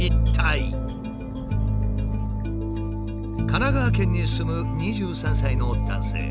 神奈川県に住む２３歳の男性。